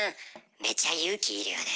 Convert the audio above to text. めちゃ勇気要るよね。